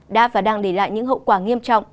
đã và đang để lại những hậu quả nghiêm trọng